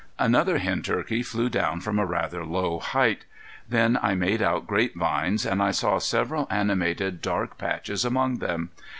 Another hen turkey flew down from a rather low height. Then I made out grapevines, and I saw several animated dark patches among them.